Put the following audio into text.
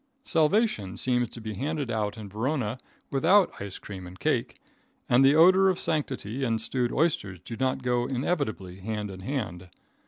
Salvation seems to be handed out in Verona without ice cream and cake, and the odor of sancity and stewed oysters do not go inevitably hand in hand.